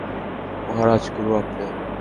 মহারাজ, গুরু আপনি।